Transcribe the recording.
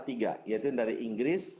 tiga yaitu dari inggris